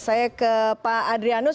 saya ke pak adrianus